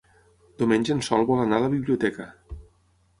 Diumenge en Sol vol anar a la biblioteca.